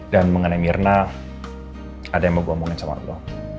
dan mengenai myrna ada yang mau gue omongin sama lo